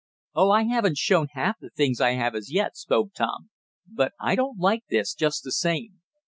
"Oh, I haven't shown half the things I have as yet," spoke Tom. "But I don't like this, just the same.